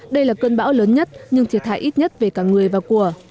đây là cơn bão lớn nhất nhưng thiệt hại ít nhất về cả người và của